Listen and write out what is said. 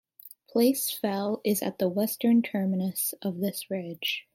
Place Fell is at the western terminus of this ridge.